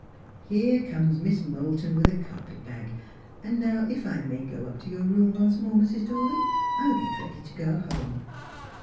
Here comes Miss Moulton with a carpet bag ; and now, if I may go up to your room once more, Mrs. Dawley, I'll get ready to go home.'